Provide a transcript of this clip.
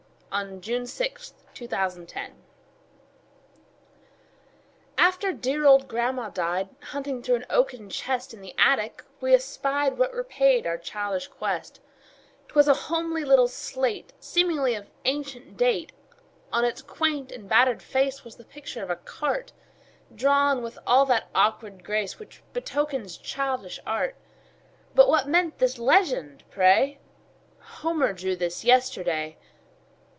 Eugene Field Little Homer's Slate AFTER dear old grandma died, Hunting through an oaken chest In the attic, we espied What repaid our childish quest; 'Twas a homely little slate, Seemingly of ancient date. On its quaint and battered face Was the picture of a cart, Drawn with all that awkward grace Which betokens childish art; But what meant this legend, pray: "Homer drew this yesterday?"